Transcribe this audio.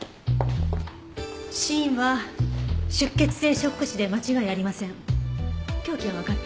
死因は出血性ショック死で間違いありません。